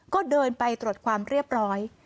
ก็เดินไปตรวจความเรียบร้อย